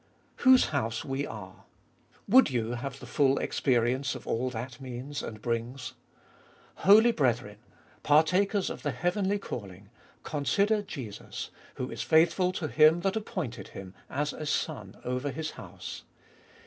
Whose house we are. Would you have the full experience of all that means and brings ? Holy brethren, partakers of the heavenly calling, consider Jesus, who is faithful to Him that appointed Him, as a Son over His house.